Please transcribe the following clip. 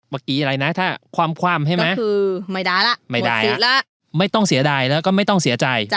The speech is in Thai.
เมื่อกี้อะไรนะถ้าความไม่ได้ล่ะไม่ต้องเสียดายแล้วก็ไม่ต้องเสียใจ